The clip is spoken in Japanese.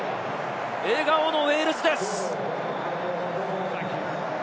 笑顔のウェールズです。